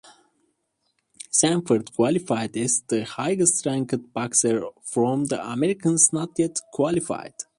Sanford qualified as the highest ranked boxer from the Americas not yet qualified.